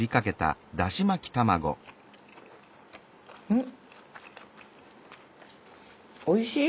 うんおいしい。